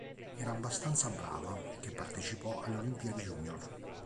Era abbastanza brava che partecipò alle Olimpiadi Junior.